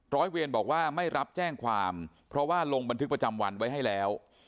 ร้อยเวรบอกว่าไม่รับแจ้งความเพราะว่าลงบันทึกประจำวันไว้ให้แล้ว